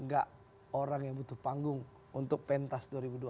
gak orang yang butuh panggung untuk pentas dua ribu dua puluh